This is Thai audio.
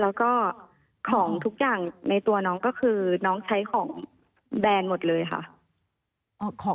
แล้วก็ของทุกอย่างในตัวน้องก็คือน้องใช้ของแบรนด์หมดเลยค่ะ